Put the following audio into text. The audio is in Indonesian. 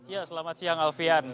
ya selamat siang alvian